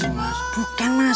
ini masih muda saja mas